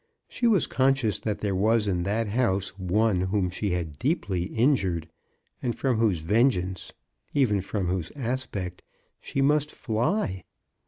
She was conscious that there was in that house one whom she had deeply in jured, and from whose vengeance — even from whose aspect — she must fly.